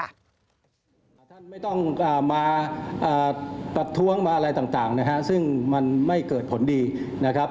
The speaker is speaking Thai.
ท่านไม่ต้องมาประท้วงมาอะไรต่างนะฮะซึ่งมันไม่เกิดผลดีนะครับ